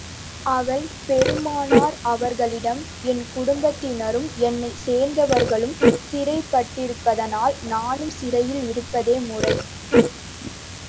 அவள் பெருமானார் அவர்களிடம், என் குடும்பத்தினரும், என்னைச் சேர்ந்தவர்களும் சிறைபட்டிருப்பதனால், நானும் சிறையில் இருப்பதே முறை.